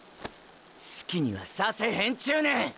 好きにはさせへんちゅうねん！！